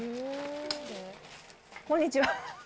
こんにちは。